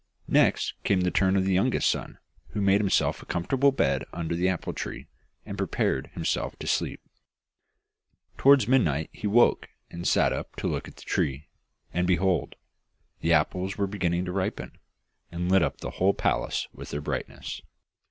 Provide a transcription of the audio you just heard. Next came the turn of the youngest son, who made himself a comfortable bed under the apple tree, and prepared himself to sleep. Towards midnight he awoke, and sat up to look at the tree. And behold! the apples were beginning to ripen, and lit up the whole palace with their brightness.